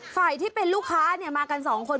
ฝ่ายที่เป็นลูกค้ามากันสองคน